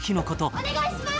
お願いします！